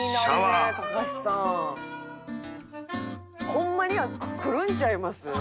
「ホンマにくるんちゃいます？」